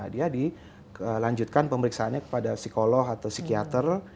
dia dilanjutkan pemeriksaannya kepada psikolog atau psikiater